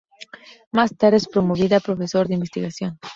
Más tarde es promovida a Profesor de Investigación.